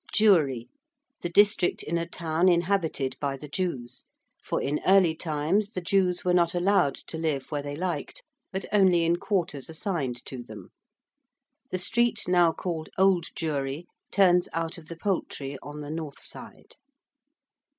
~Jewry~: the district in a town inhabited by the Jews; for in early times the Jews were not allowed to live where they liked, but only in quarters assigned to them. The street now called Old Jewry turns out of the Poultry, on the north side.